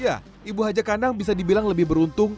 ya ibu haja kandang bisa dibilang lebih beruntung